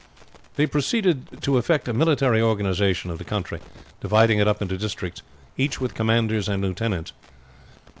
They proceeded to effect a military organization of the country, dividing it up into districts, each with commanders and lieutenants.